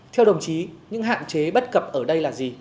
theo đồng chí những hạn chế bất cập ở đây là gì